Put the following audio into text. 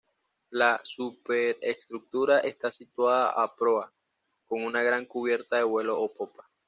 La superestructura está situada a proa con una gran cubierta de vuelo a popa.